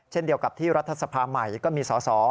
เช่นเดียวกับที่รัฐสภาใหม่ก็มีสอสอ